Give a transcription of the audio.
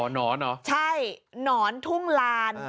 นอนเหรอใช่หนอนทุ่งลาน